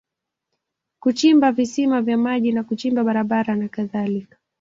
Kuchimba visima vya maji na kuchimba barabara na kadhalika